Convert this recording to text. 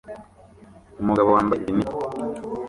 Umugabo wambaye binini